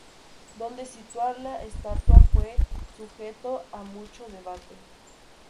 Dónde situar la estatua fue sujeto a mucho debate.